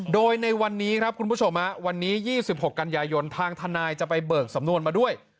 โดยในวันนี้ครับคุณผู้ชมวันนี้๒๖กันยายนทางทนายจะไปเบิกสำนวนมาด้วย